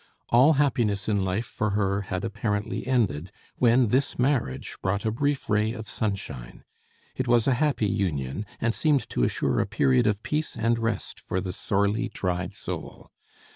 All happiness in life for her had apparently ended, when this marriage brought a brief ray of sunshine. It was a happy union, and seemed to assure a period of peace and rest for the sorely tried soul.